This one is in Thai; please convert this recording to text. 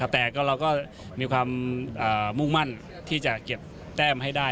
แต่เราก็มีความมุ่งมั่นที่จะเก็บแต้มให้ได้